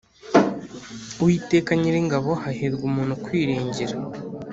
Uwiteka Nyiringabo Hahirwa umuntu ukwiringira